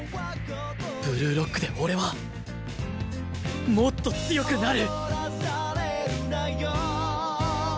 ブルーロックで俺はもっと強くなる！